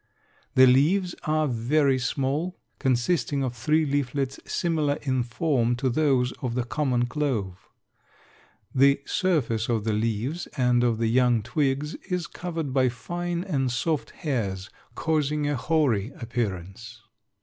The leaves are very small, consisting of three leaflets similar in form to those of the common clove. The surface of the leaves, and of the young twigs, is covered by fine and soft hairs, causing a hoary appearance.